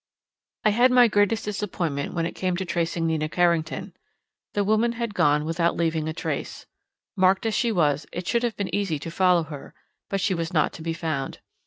I had my greatest disappointment when it came to tracing Nina Carrington. The woman had gone without leaving a trace. Marked as she was, it should have been easy to follow her, but she was not to be found.